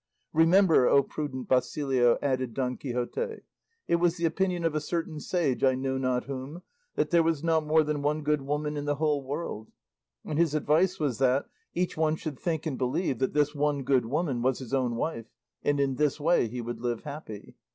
"Remember, O prudent Basilio," added Don Quixote, "it was the opinion of a certain sage, I know not whom, that there was not more than one good woman in the whole world; and his advice was that each one should think and believe that this one good woman was his own wife, and in this way he would live happy.